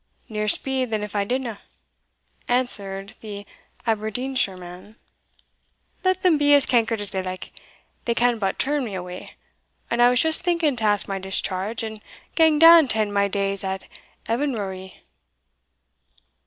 "Neer speed then if I dinna," answered the Aberdeenshire man: "let them be as cankered as they like, they can but turn me awa, and I was just thinking to ask my discharge, and gang down to end my days at Inverurie."